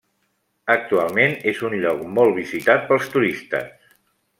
Actualment és un lloc molt visitat pels turistes.